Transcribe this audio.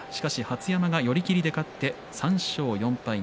しかし羽出山が寄り切りで勝って３勝４敗。